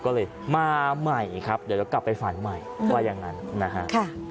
ก็เลยมาใหม่ครับเดี๋ยวกลับไปฝันใหม่ว่าอย่างนั้นนะฮะ